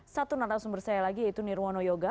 satu narasumber saya lagi yaitu nirwono yoga